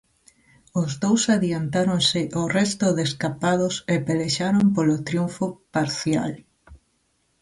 Os dous adiantáronse ao resto de escapados e pelexaron polo triunfo parcial.